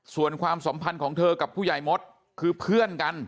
ส่วนความสัมพันธ์ของเธอกับผู้ใหญ่มดคือเพื่อนกัน